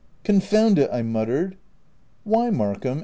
"Confound it !" I muttered. "Why, Markham?"